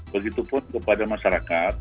begitu pun kepada masyarakat